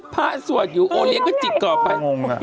พระสวดอยู่โอเลี้ยงก็จิกออกไป